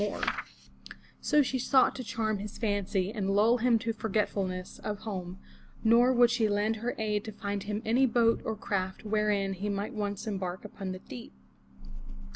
423 MY BOOK HOUSE So she sought to charm his fancy and lull him to forgetfulness of home, nor would she lend her aid to find him any boat or craft wherein he might once more embark upon the deep.